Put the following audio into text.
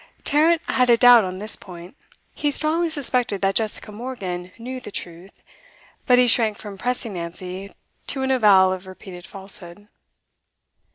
Tarrant had a doubt on this point. He strongly suspected that Jessica Morgan knew the truth, but he shrank from pressing Nancy to an avowal of repeated falsehood.